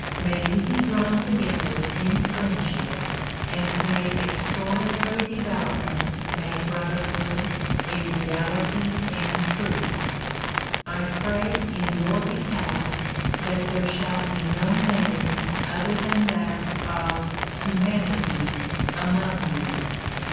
May you be drawn together in friendship and may extraordinary development make brotherhood a reality and truth. I pray in your behalf that there shall be no name other than that of humanity among you.